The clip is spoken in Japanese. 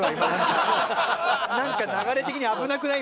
なんか流れ的に危なくない？